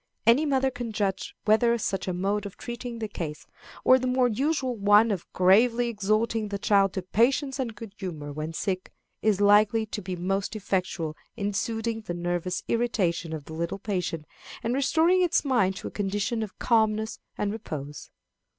Any mother can judge whether such a mode of treating the case, or the more usual one of gravely exhorting the child to patience and good humor, when sick, is likely to be most effectual in soothing the nervous irritation of the little patient, and restoring its mind to a condition of calmness and repose.